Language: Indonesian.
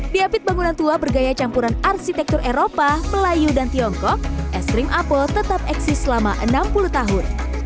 di apit bangunan tua bergaya campuran arsitektur eropa melayu dan tiongkok es krim apel tetap eksis selama enam puluh tahun